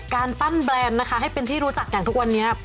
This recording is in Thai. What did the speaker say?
การปั้นแบรนด์นะคะให้เป็นที่รู้จักอย่างทุกวันนี้